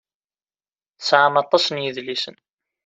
Tesɛam aṭas n yidlisen.